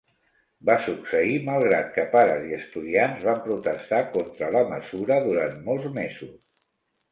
Va succeir malgrat que pares i estudiants van protestar contra la mesura durant molts mesos.